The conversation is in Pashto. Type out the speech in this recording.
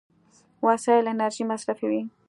وسایل انرژي مصرفوي.